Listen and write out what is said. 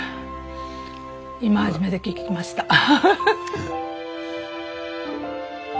今初めて聞きました。